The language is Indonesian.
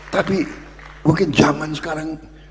tapi mungkin zaman sekarang